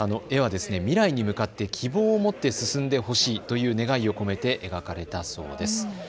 絵は未来に向かって希望を持って進んでほしいという願いを込めて描かれたそうです。